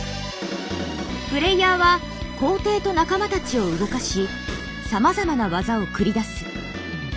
プレイヤーは皇帝と仲間たちを動かしさまざまな技を繰り出す。